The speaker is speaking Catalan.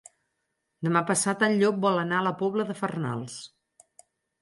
Demà passat en Llop vol anar a la Pobla de Farnals.